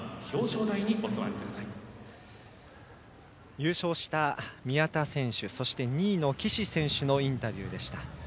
優勝した宮田選手そして２位の岸選手のインタビューでした。